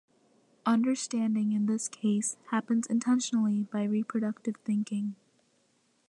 Understanding in this case happens intentionally by reproductive thinking.